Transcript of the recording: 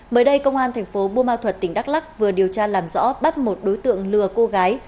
mới đây công an tp bumal thuật tỉnh đắk lắc vừa điều tra làm rõ bắt một đối tượng lừa cô gái